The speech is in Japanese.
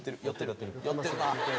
寄ってるな。